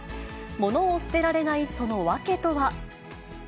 物を捨てられないその訳とは。